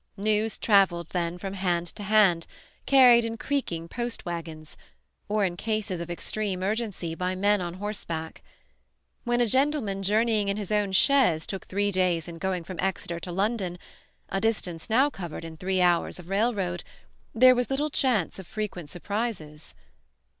News travelled then from hand to hand, carried in creaking post wagons, or in cases of extreme urgency by men on horseback. When a gentleman journeying in his own "chaise" took three days in going from Exeter to London, a distance now covered in three hours of railroad, there was little chance of frequent surprises.